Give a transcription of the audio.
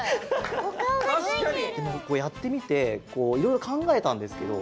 やってみていろいろかんがえたんですけど